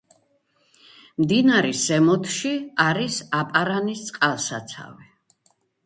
მდინარის ზემოთში არის აპარანის წყალსაცავი.